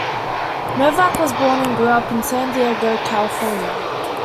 Novak was born and grew up in San Diego, California.